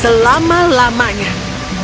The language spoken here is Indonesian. kau akan menemukan alam yang akan menyebabkan hidupmu